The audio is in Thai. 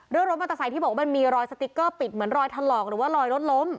รถมอเตอร์ไซค์ที่บอกว่ามันมีรอยสติ๊กเกอร์ปิดเหมือนรอยถลอกหรือว่ารอยรถล้ม